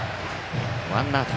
ワンアウト。